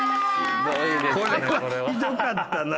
これはひどかったな。